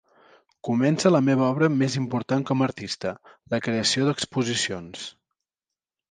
Comença la meva obra més important com a artista: la creació d'exposicions.